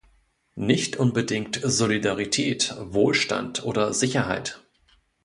Nicht unbedingt Solidarität, Wohlstand oder Sicherheit.